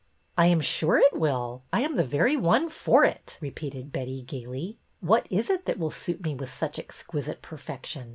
" I am sure it will. I am the very one for it !" repeated Betty, gayly. What is it that will suit me with such exquisite perfection?